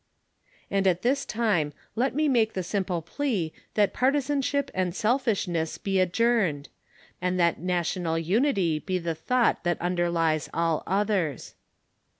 And at this time let me make the simple plea that partisanship and selfishness be adjourned; and that national unity be the thought that underlies all others.